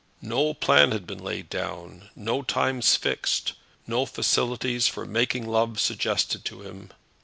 No plan had been laid down, no times fixed, no facilities for making love suggested to him.